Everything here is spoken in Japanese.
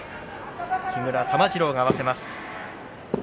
木村玉治郎が合わせます。